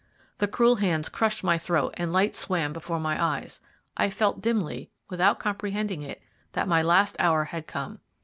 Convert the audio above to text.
The cruel hands crushed my throat and light swam before my eyes. I felt dimly, without comprehending it, that my last hour had come.